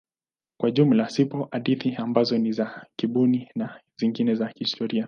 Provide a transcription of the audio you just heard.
Kwa jumla zipo hadithi ambazo ni za kubuni na zingine za kihistoria.